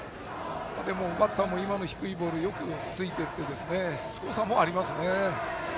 でも、バッターも低いボールをよくついていってしつこさもありますね。